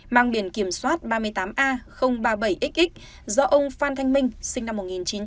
mang biển kiểm soát ba mươi tám a ba mươi bảy xx do ông phan thanh minh sinh năm một nghìn chín trăm tám mươi